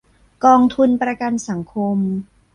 กองทุนประกันสังคม